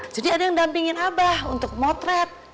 jadi ada yang dampingin abah untuk motret